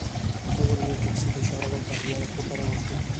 مور یې ټکسي ته اشاره وکړه او دواړه کور ته روان شول